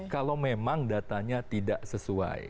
kalau memang datanya tidak sesuai